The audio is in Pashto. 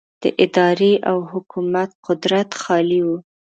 د ادارې او حکومت قدرت خالي و.